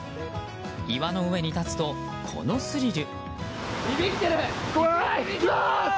岩の上に立つと、このスリル！